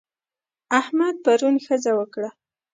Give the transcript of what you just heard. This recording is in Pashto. احمد پرون ښځه وکړه.